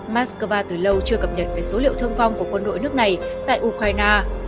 moscow từ lâu chưa cập nhật về số liệu thương vong của quân đội nước này tại ukraine